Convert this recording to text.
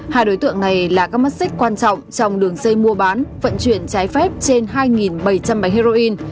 hai đối tượng này là các mắt xích quan trọng trong đường dây mua bán vận chuyển trái phép trên hai bảy trăm linh bánh heroin